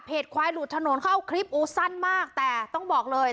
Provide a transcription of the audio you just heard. ควายหลุดถนนเขาเอาคลิปอู้สั้นมากแต่ต้องบอกเลย